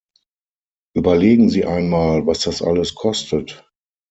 Überlegen Sie einmal, was das alles kostet.